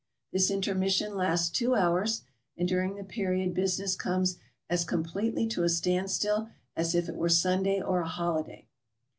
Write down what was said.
This intermission lasts two hours, and during the period business comes as completely to a standstill as if it were Sunday or a holiday.